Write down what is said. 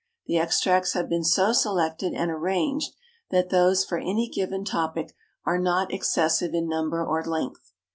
The extracts have been so selected and arranged that those for any given topic are not excessive in number or length.